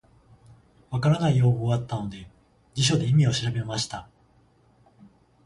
分からない用語があったので、辞書で意味を調べました。